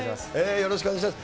よろしくお願いします。